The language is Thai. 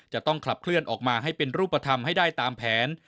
จะต้องขับเคลื่อนออกมาให้เป็นรูปธรรมให้ได้ตามแผน